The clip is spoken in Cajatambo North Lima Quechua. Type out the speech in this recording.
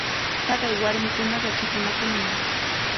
Taqay warmikunaqa chiqninakunmi.